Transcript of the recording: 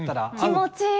気持ちいい。